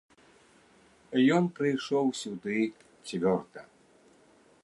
Ён прыйшоў сюды цвёрда.